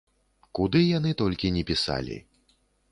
Куды яны толькі ні пісалі.